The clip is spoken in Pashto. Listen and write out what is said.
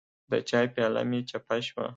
د چای پیاله مې چپه شوه.